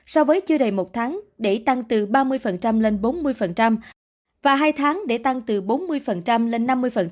so với chưa đầy một tháng để tăng từ ba mươi lên bốn mươi và hai tháng để tăng từ bốn mươi lên năm mươi